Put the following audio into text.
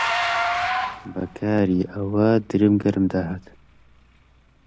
بە کاری ئەمە دڵم گەرم داهات.